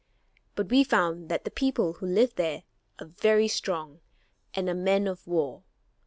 But we found that the people who live there are very strong and are men of war.